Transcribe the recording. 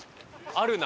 あるな！